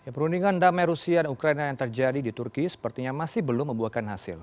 perundingan damai rusia dan ukraina yang terjadi di turki sepertinya masih belum membuahkan hasil